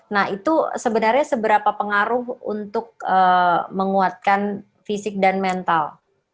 nah itu sebenarnya seberapa pengaruh untuk menguatkan fisik dan mental